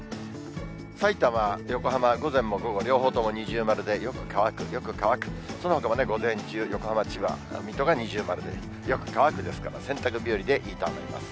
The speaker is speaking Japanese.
さいたま、横浜、午前も午後も両方とも二重丸で、よく乾く、よく乾く、そのほかも午前中、横浜、千葉、水戸が二重丸で、よく乾くですから、洗濯日和でいいと思います。